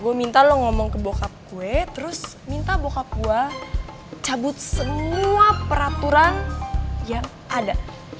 gue minta lo ngomong ke bokap gue terus minta boka kua cabut semua peraturan yang ada